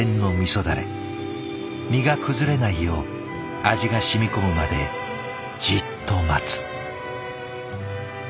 身が崩れないよう味が染み込むまでじっと待つ。